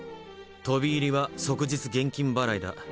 飛び入りは即日現金払いだ。